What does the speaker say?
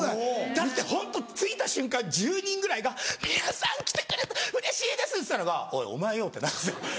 だってホント着いた瞬間１０人ぐらいが「宮さん来てくれたうれしいです！」っつってたのが「おいお前よ」ってなるんですよ。